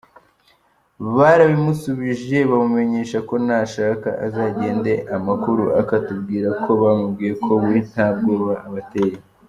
Barabimusubije bamumenyesha ko nashaka azagende amakuru akatubwira ko bamubwiye ko we nta bwoba abateye.